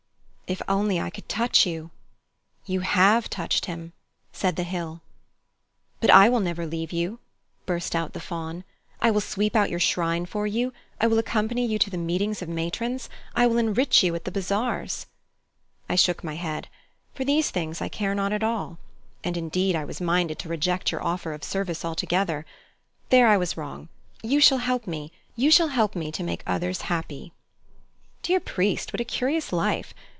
"If only I could touch you!" "You have touched him," said the hill. "But I will never leave you," burst out the Faun. "I will sweep out your shrine for you, I will accompany you to the meetings of matrons. I will enrich you at the bazaars." I shook my head. "For these things I care not at all. And indeed I was minded to reject your offer of service altogether. There I was wrong. You shall help me you shall help me to make others happy." "Dear priest, what a curious life!